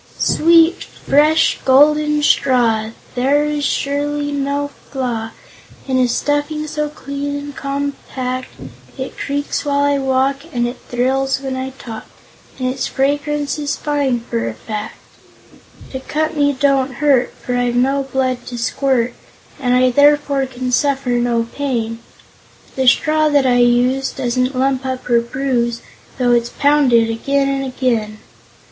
"Sweet, fresh, golden Straw! There is surely no flaw In a stuffing so clean and compact. It creaks when I walk, And it thrills when I talk, And its fragrance is fine, for a fact. "To cut me don't hurt, For I've no blood to squirt, And I therefore can suffer no pain; The straw that I use Doesn't lump up or bruise, Though it's pounded again and again!